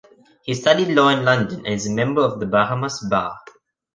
He studied law in London and is a member of the Bahamas Bar.